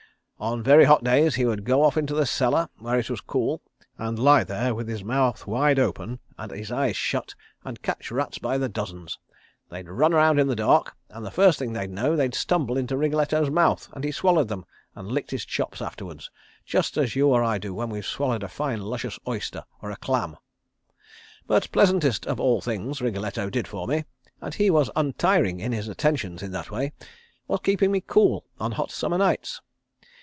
On very hot days he would go off into the cellar, where it was cool, and lie there with his mouth wide open and his eyes shut, and catch rats by the dozens. They'd run around in the dark, and the first thing they'd know they'd stumble into Wriggletto's mouth; and he swallowed them and licked his chops afterwards, just as you or I do when we've swallowed a fine luscious oyster or a clam. "But pleasantest of all the things Wriggletto did for me and he was untiring in his attentions in that way was keeping me cool on hot summer nights.